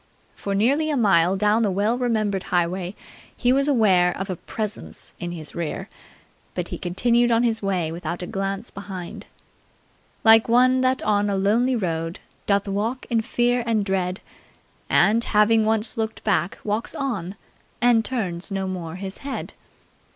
For nearly a mile down the well remembered highway he was aware of a Presence in his rear, but he continued on his way without a glance behind. "Like one that on a lonely road Doth walk in fear and dread; And, having once looked back, walks on And turns no more his head!